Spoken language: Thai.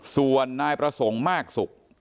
ส่วนนายประสงค์มากสุข